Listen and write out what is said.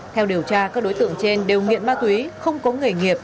theo điều tra các đối tượng trên đều nghiện ma túy không có nghề nghiệp